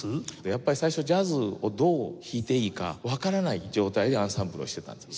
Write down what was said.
やっぱり最初ジャズをどう弾いていいかわからない状態でアンサンブルをしていたんです。